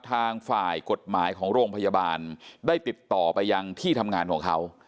ทางฝ่ายกฎหมายของโรงพยาบาลได้ติดต่อไปยังที่ทำงานของเขา